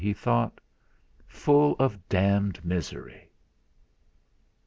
he thought. 'Full of d d misery!'